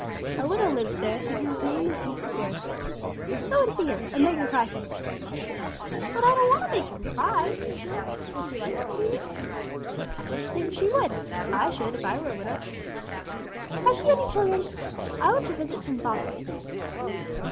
A widow lives there, and her name is Mrs. Beresford. Go and see her, and make her cry if you can." "But I don't want to make them cry,' said Jill. 'Will she like to see me?" "I should think she would. I should, if I were a widow." "Has she any children? I want to visit some fatherless."